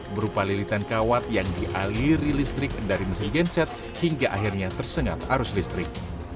berupa lilitan kawat yang dialiri listrik dari mesin genset hingga akhirnya tersengat arus listrik